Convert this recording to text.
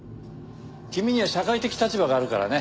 君には社会的立場があるからね。